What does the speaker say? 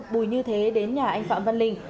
bùi như thế đến nhà anh phạm văn linh